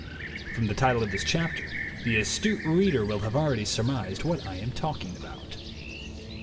From the title of this chapter, the astute reader will have already surmised what I am talking about.